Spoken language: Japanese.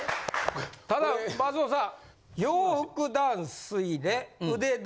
ただ松本さん。